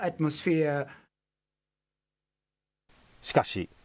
しかし。